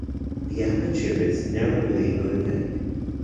The aperture is narrowly ovate.